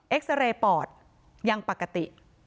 ซาเรย์ปอดยังปกติ